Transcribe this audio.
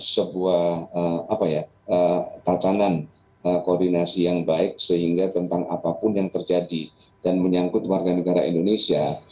sebuah tatanan koordinasi yang baik sehingga tentang apapun yang terjadi dan menyangkut warga negara indonesia